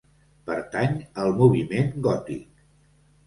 Pertany al moviment gòtic.